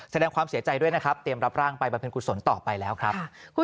แสดงความเสียใจด้วยนะครับเตรียมรับร่างไปบำเพ็ญกุศลต่อไปแล้วครับ